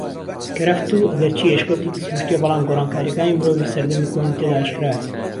کەرەفتوو ئەگەرچی ئەشکەوتێکی سرووشتیە بەلام گۆڕانکاریەکانی مرۆڤی سەردەمی کۆنی تێدا ئاشکرایە